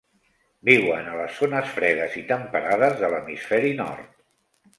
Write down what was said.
Viuen a les zones fredes i temperades de l'hemisferi nord.